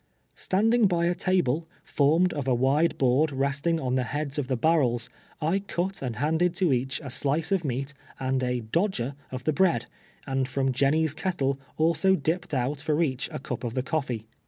Standing by a table, formed of a wide board rest ing on the heads of the barrels, I cut and handed to each a slice of meat and a " dodger" of the bread, and from Jenny's kettle also dipped out for each a cup of the coffee.